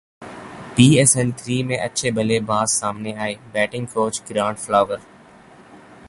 پی S L three میں اچھے بلے باز سامنے ائے بیٹنگ کوچ گرانٹ فلاور